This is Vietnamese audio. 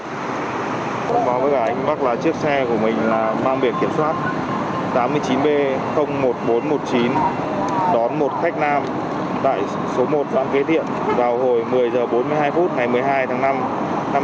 hôm báo với cả anh bắc là chiếc xe của mình mang biển kiểm soát tám mươi chín b một nghìn bốn trăm một mươi chín đón một khách nam tại số một dãng kế thiện vào hồi một mươi h bốn mươi hai phút ngày một mươi hai tháng năm năm hai nghìn hai mươi ba